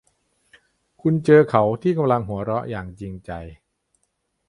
คุณเจอเขาที่กำลังหัวเราะอย่างจริงใจ